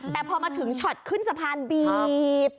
แต่พอมาถึงช็อตขึ้นสะพานบีบ